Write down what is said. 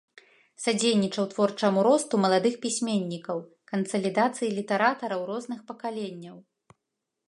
Садзейнічаў творчаму росту маладых пісьменнікаў, кансалідацыі літаратараў розных пакаленняў.